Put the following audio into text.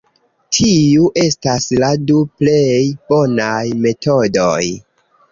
Tiu estas la du plej bonaj metodoj.